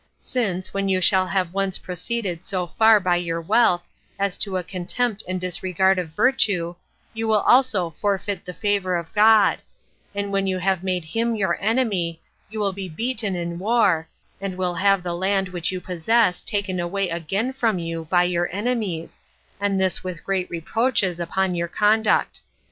Since, when you shall have once proceeded so far by your wealth, as to a contempt and disregard of virtue, you will also forfeit the favor of God; and when you have made him your enemy, you will be beaten in war, and will have the land which you possess taken away again from you by your enemies, and this with great reproaches upon your conduct.